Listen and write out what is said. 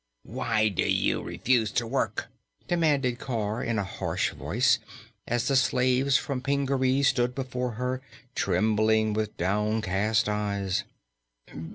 "Why do you refuse to work?" demanded Cor in a harsh voice, as the slaves from Pingaree stood before her, trembling and with downcast eyes.